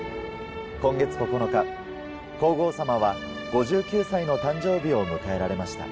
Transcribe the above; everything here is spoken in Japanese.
今月９日皇后さまは５９歳の誕生日を迎えられました。